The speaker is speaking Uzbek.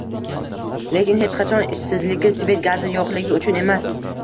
Lekin hech qachon ishsizligi, svet-gazi yoʻqligi uchun emas.